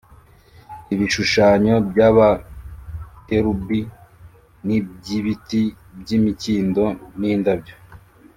ibishushanyo by abakerubi n iby ibiti by imikindo n indabyo